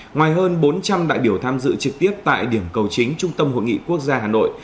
ngoài hơn bốn trăm linh đại biểu tham dự trực tiếp tại điểm cầu chính trung tâm hội nghị quốc gia hà nội